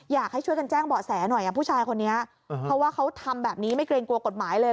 อยากให้ช่วยกันแจ้งเบาะแสหน่อยผู้ชายคนนี้เพราะว่าเขาทำแบบนี้ไม่เกรงกลัวกฎหมายเลย